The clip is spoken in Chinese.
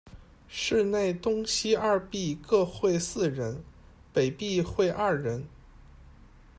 室内东西二壁各绘四人，北壁绘二人。